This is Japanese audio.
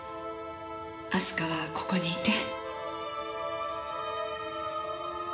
明日香はここにいて。